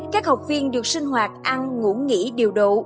các học viên được sinh hoạt ăn ngủ nghỉ điều độ